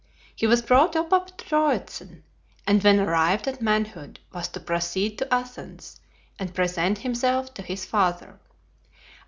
He was brought up at Troezen, and when arrived at manhood was to proceed to Athens and present himself to his father.